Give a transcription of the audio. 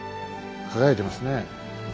輝いてますね。